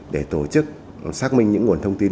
để tổ chức xác minh những nguồn thông tin